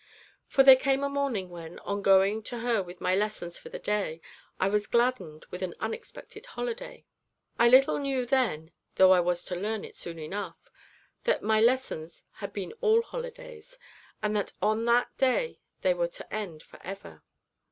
For there came a morning when, on going to her with my lessons for the day, I was gladdened with an unexpected holiday. I little knew then though I was to learn it soon enough that my lessons had been all holidays, or that on that day they were to end for ever.